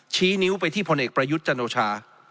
ชี้นิ้วไปที่พลเอกประยุทธ์จันโอชา